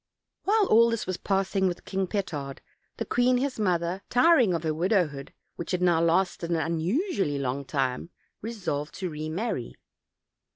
While all this was passing with King Petard, the queen his mother, tiring of her widowhood, which had now lasted an unusually long time, resolved to remarry.